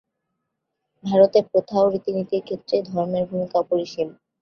ভারতে প্রথা ও রীতিনীতির ক্ষেত্রে ধর্মের ভূমিকা অপরিসীম।